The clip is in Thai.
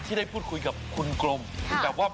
คุณอโนไทจูจังขอแสดงความจริงกับผู้ที่ได้รับรางวัลครับ